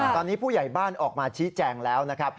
ตอนนี้ผู้ใหญ่บ้านออกมาชี้แจงแล้วนะครับ